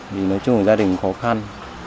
vì nói chung là gia đình khó khăn